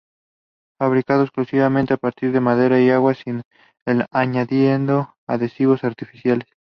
Fabricado exclusivamente a partir de madera y agua, sin el añadido de adhesivos artificiales.